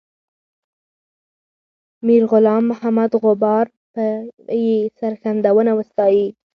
میرغلام محمد غبار به یې سرښندنه وستایي.